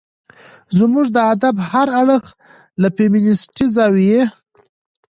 زموږ د ادب هر اړخ له فيمنستي زاويې